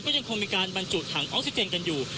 ยังคงมีการบรรจุถังออกซิเจนกันอยู่